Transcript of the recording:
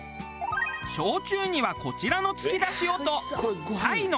焼酎にはこちらのつきだしをと。